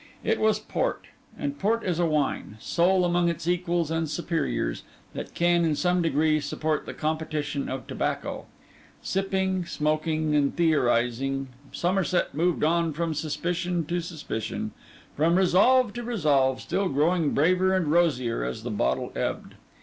It was port; and port is a wine, sole among its equals and superiors, that can in some degree support the competition of tobacco. Sipping, smoking, and theorising, Somerset moved on from suspicion to suspicion, from resolve to resolve, still growing braver and rosier as the bottle ebbed.